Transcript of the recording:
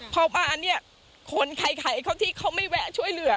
พอมาเนี่ยคนใครเขาที่เขาไม่แวะช่วยเหลือ